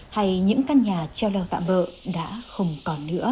hay những căn nhà treo leo tạm bỡ đã không còn nữa